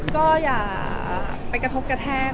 ก็อย่าไปกระทบกระแทก